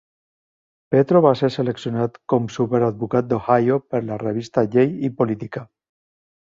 Petro va ser seleccionat com "Super advocat d'Ohio" per la revista Llei i Política.